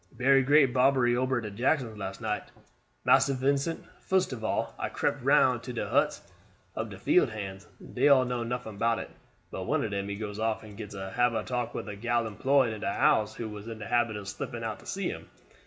"Berry great bobbery ober at Jackson's last night, Massa Vincent. Fust of all I crept round to de huts ob de field hands. Dey all know nuffin bout it; but one of dem he goes off and gets to hab a talk with a gal employed in de house who was in de habit of slipping out to see him.